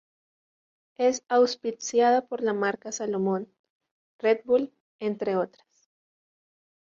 Es auspiciada por la marca Salomon, Red Bull, entre otras.